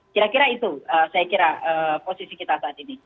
kira kira itu saya kira posisi kita saat ini